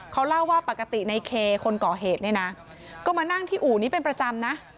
เขาเล่าว่าปกติในเคคนก่อเหตุเนี่ยนะก็มานั่งที่อู่นี้เป็นประจำนะ